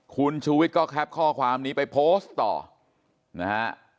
คุณชูวิทย์ก็แคปข้อความนี้ไปโพสต์ต่อนะฮะ